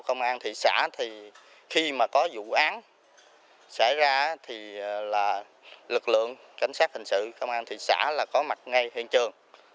công an thị xã thì khi mà có vụ án xảy ra thì lực lượng cảnh sát hình sự công an thị xã là có mặt ngay hiện trường